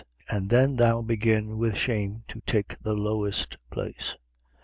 And then thou begin with shame to take the lowest place.